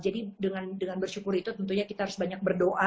jadi dengan bersyukur itu tentunya kita harus banyak berdoa